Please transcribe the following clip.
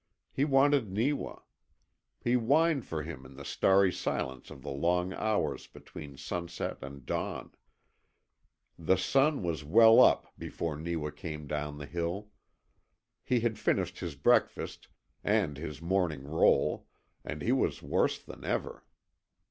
He wanted Neewa. He whined for him in the starry silence of the long hours between sunset and dawn. The sun was well up before Neewa came down the hill. He had finished his breakfast and his morning roll, and he was worse than ever.